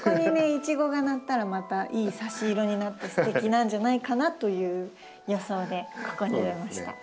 イチゴがなったらまたいい差し色になってすてきなんじゃないかなという予想でここに植えました。